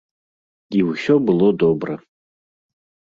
І ўсё было добра.